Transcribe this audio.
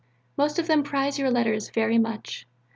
Most of them prize your letters very much.